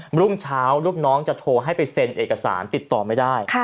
รุ่งเช้าลูกน้องจะโทรให้ไปเซ็นเอกสารติดต่อไม่ได้